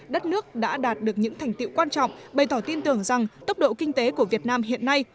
đất nước đã đạt được những thành tiệu quan trọng bày tỏ tin tưởng rằng tốc độ kinh tế của việt nam hiện nay